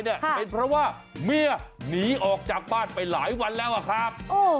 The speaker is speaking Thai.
เป็นเพราะว่าเมียหนีออกจากบ้านไปหลายวันแล้วอะครับ